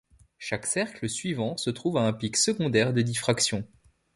Chaque cercle suivant se trouve à un pic secondaire de diffraction.